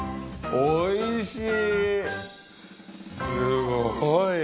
おいしい。